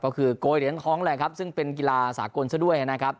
ก็คือโกยเหรียญทองแหละครับซึ่งเป็นกีฬาสากลซะด้วยนะครับ